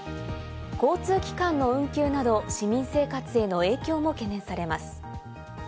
交通機関の運休など、市民生活への影響も懸念されます。